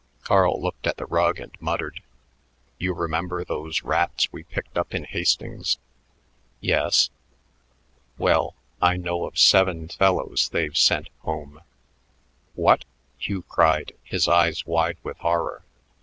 Carl looked at the rug and muttered, "You remember those rats we picked up in Hastings?" "Yes?" "Well, I know of seven fellows they've sent home." "What!" Hugh cried, his eyes wide with horror.